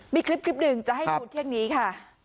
มีคลิปหนึ่งจะให้ดูเที่ยงนี้ค่ะ